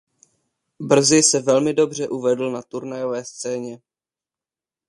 Brzy se velmi dobře uvedl na turnajové scéně.